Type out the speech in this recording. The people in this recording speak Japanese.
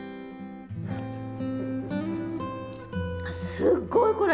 すっごいこれ。